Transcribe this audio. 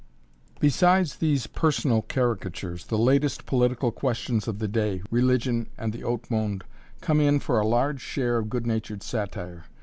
Besides these personal caricatures, the latest political questions of the day religion and the haut monde come in for a large share of good natured satire.